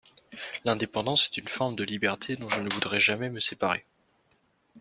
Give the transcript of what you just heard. L’indépendance est une forme de liberté dont je ne voudrais jamais me séparer.